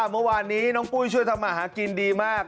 เมื่อวานนี้น้องปุ้ยช่วยทำมาหากินดีมาก